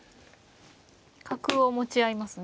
角を持ち合いますね。